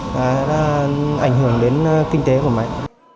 đã ảnh hưởng đến kinh tế của máy